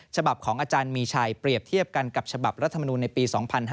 ฉบับของอาจารย์มีชัยเปรียบเทียบกันกับฉบับรัฐมนูลในปี๒๕๕๙